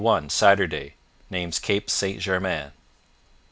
31 Saturday Names Cape St Germain.